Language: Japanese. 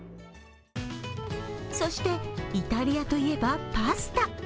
そして、イタリアといえばパスタ。